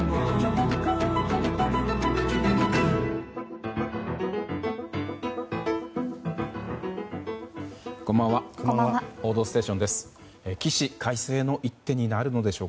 「報道ステーション」です。